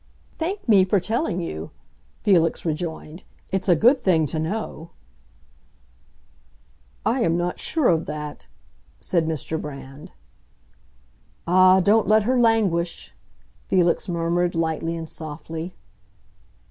"Thank me for telling you," Felix rejoined. "It's a good thing to know." "I am not sure of that," said Mr. Brand. "Ah, don't let her languish!" Felix murmured, lightly and softly.